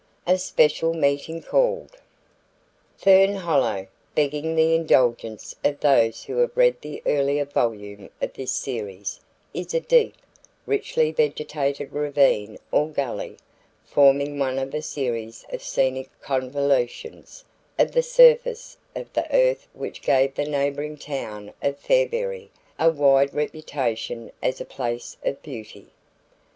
A SPECIAL MEETING CALLED. Fern hollow begging the indulgence of those who have read the earlier volume of this series is a deep, richly vegetated ravine or gully forming one of a series of scenic convolutions of the surface of the earth which gave the neighboring town of Fairberry a wide reputation as a place of beauty.